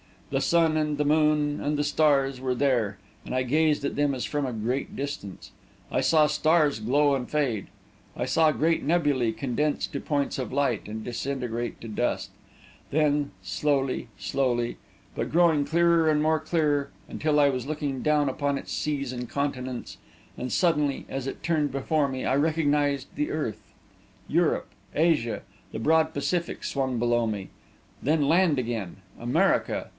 The sun and the moon and the stars were there, and I gazed at them as from a great distance. I saw stars glow and fade; I saw great nebulæ condense to points of light, and disintegrate to dust; then, slowly, slowly, a single planet swung into view, a million miles away, at first, but growing clearer and more clear, until I was looking down upon its seas and continents; and suddenly, as it turned before me, I recognised the earth. Europe, Asia, the broad Pacific swung below me; then land again America!